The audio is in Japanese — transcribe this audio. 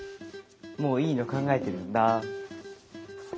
もういいの考えてるんだ。